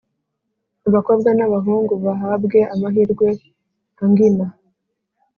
Abakobwa n’abahungu bahabwe amahirwe angina